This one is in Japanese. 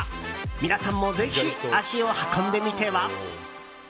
皆さんもぜひ足を運んでみては？